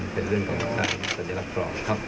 เป็นเรื่องของสัญลักษณ์ปลองครับ